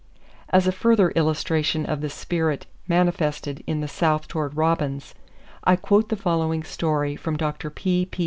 As a further illustration of the spirit manifested in the South toward robins, I quote the following story from Dr. P.P.